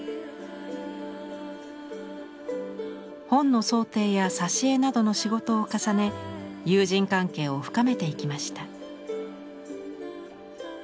本の装丁や挿絵などの仕事を重ね友人関係を深めていきました。